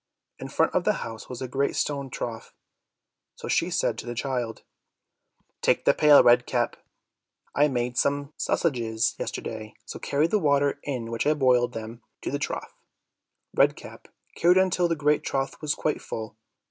In front of the house was a great stone trough, so she said to the child, "Take the pail, Red Cap; I made some sausages yesterday, so carry the water in which I boiled them to the trough." Red Cap carried until the great trough was quite full.